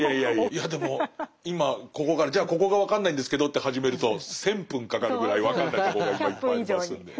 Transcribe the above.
いやでも今ここからじゃあここが分かんないんですけどって始めると１，０００分かかるぐらい分かんないとこがいっぱいありますんで。